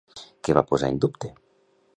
Què va posar en dubte?